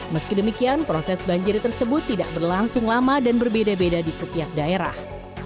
meski demikian proses banjiri tersebut tidak berlangsung lama dan berbeda beda di setiap daerah